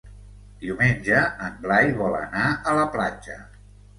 Diumenge en Blai vol anar a la platja.